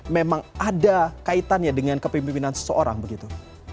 memang ada kaitannya dengan kepemimpinan seseorang begitu